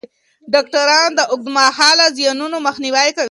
ډاکټران د اوږدمهاله زیانونو مخنیوی کوي.